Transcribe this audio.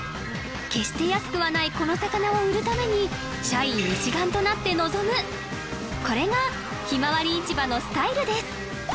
決して安くはないこの魚を売るために社員一丸となって臨むこれがひまわり市場のスタイルです